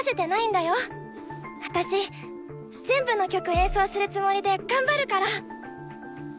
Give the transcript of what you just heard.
私全部の曲演奏するつもりで頑張るから！